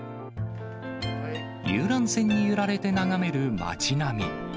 遊覧船に揺られて眺める町並み。